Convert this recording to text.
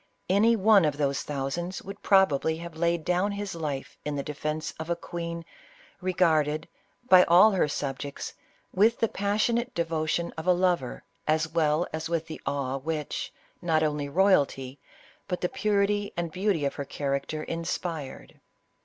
Any one of those thousands would prob ably have laid down his life in the defence of a queen, regarded, by all her subjects, with the passionate de votion of a lover, as well as with the awe which, not only royalty, but the purity and beauty of her charac ter inspired.